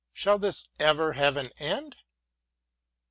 Shall this ever have an end ?